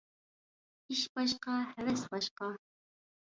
ئىش باشقا، ھەۋەس باشقا.